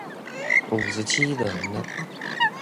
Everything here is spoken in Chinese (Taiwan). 五十七人了